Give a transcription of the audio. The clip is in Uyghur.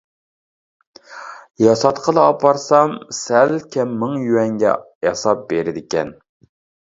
ياساتقىلى ئاپارسام، سەل كەم مىڭ يۈەنگە ياساپ بېرىدىكەن.